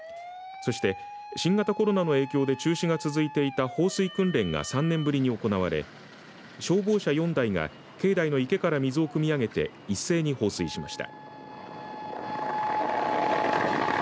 そして、新型コロナの影響で中止が続いていた放水訓練が３年ぶりに行われ消防車４台が境内の池から水をくみ上げて一斉に放水しました。